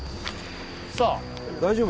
さあ大丈夫？